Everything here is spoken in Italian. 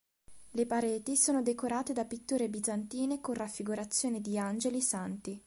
Le pareti sono decorate da pitture bizantine con raffigurazioni di angeli e santi.